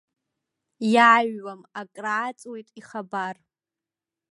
Иааҩуам, акрааҵуеит, ихабар.